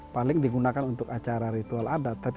paling digunakan untuk acara ritual adat